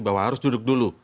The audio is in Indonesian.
bahwa harus duduk dulu